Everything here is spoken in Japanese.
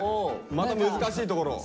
また難しいところを。